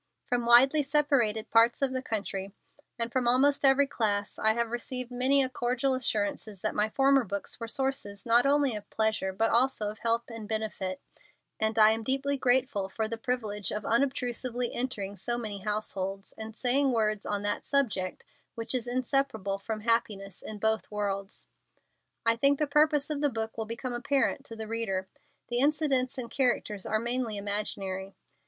From widely separated parts of the country, and from almost every class, I have received many and cordial assurances that my former books were sources not only of pleasure, but also of help and benefit, and I am deeply grateful for the privilege of unobtrusively entering so many households, and saying words on that subject which is inseparable from happiness in both worlds. I think the purpose of the book will become apparent to the reader. The incidents and characters are mainly imaginary.